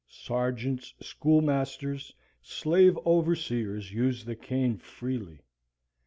Sergeants, schoolmasters, slave overseers, used the cane freely.